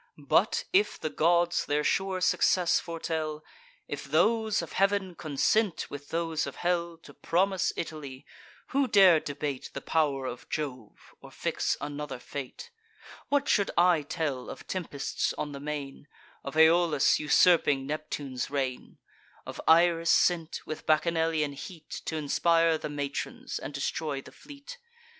But, if the gods their sure success foretell; If those of heav'n consent with those of hell, To promise Italy; who dare debate The pow'r of Jove, or fix another fate? What should I tell of tempests on the main, Of Aeolus usurping Neptune's reign? Of Iris sent, with Bacchanalian heat T' inspire the matrons, and destroy the fleet?